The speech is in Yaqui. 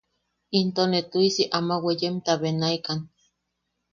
Into ne tu’isi ama weeyenta benaikan.